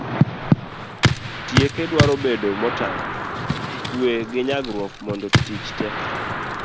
tieke dwaro bedo motang' ,kwe gi nyagruok mondo tich te